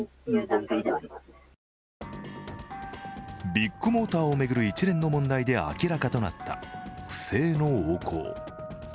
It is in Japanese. ビッグモーターを巡る一連の問題で明らかとなった不正の横行。